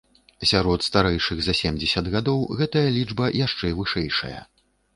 Сярод старэйшых за семдзесят гадоў гэтая лічба яшчэ вышэйшая.